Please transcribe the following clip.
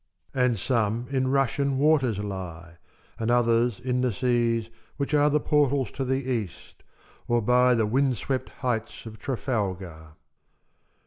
And some in Russian waters lie, And others in the seas which are The portals to the East, or by The wind swept heights of Trafalgar.